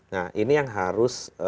nah ini yang harus